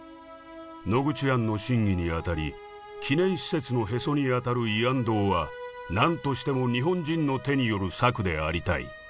ノグチ案の審議にあたり『記念施設のヘソに当る慰安堂は何としても日本人の手による作でありたい。